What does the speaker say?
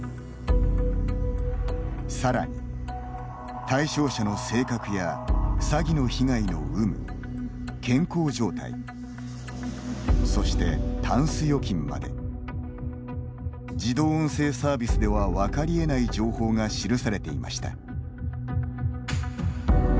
さらに、対象者の性格や詐偽の被害の有無、健康状態そして、タンス預金まで自動音声サービスでは分かりえない情報が記されていました。